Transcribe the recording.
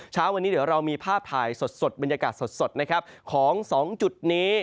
เช้าวันนี้เดี๋ยวเรามีภาพถ่ายสดบรรยากาศสดนะครับของสองจุดนี้